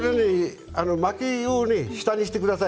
巻きを下にしてください。